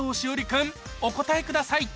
君お答えください